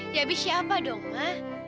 ya abis siapa dong mah